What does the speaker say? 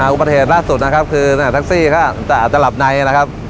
อุปเทศล่าสุดนะครับคือทักซี่เขาอาจจะหลับในนะครับ